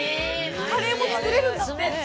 カレーも作れるんだ！